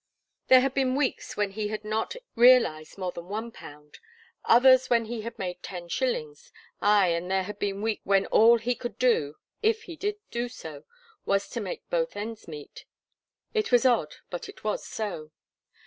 There had been weeks when he had not realized more than one pound, others when he made ten shillings, ay and there had been weeks when all he could do if he did do so was to make both ends meet. It was odd; but it was so.